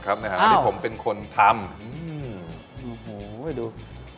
ครับนะฮะวันนี้ผมเป็นคนทำโอ้โหไปดู